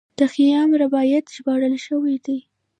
د خیام رباعیات ژباړل شوي دي.